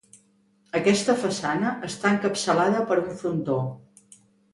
Aquesta façana està encapçalada per un frontó.